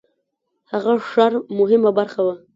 هغه ښار مهمه برخه وه.